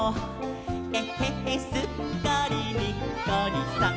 「えへへすっかりにっこりさん！」